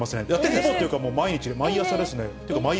ほぼっていうか、毎日、毎朝です